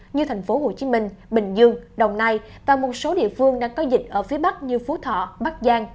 như thành phố hồ chí minh bình dương đồng nai và một số địa phương đang có dịch ở phía bắc như phú thọ bắc giang